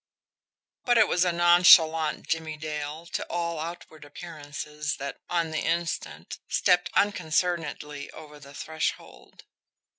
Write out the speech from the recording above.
but it was a nonchalant Jimmie Dale to all outward appearances that, on the instant, stepped unconcernedly over the threshold.